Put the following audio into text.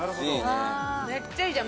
めっちゃいいじゃん！